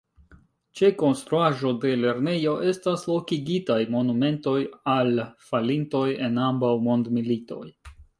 Ĉe konstruaĵo de lernejo estas lokigitaj monumentoj al falintoj en ambaŭ mondmilitoj.